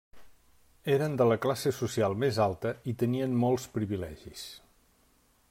Eren de la classe social més alta i tenien molts privilegis.